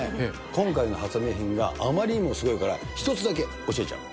今回の発明品があまりにもすごいから、１つだけ教えちゃう。